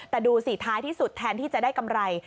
แต่ดูสิท้ายที่สุดแทนที่จะได้กำไร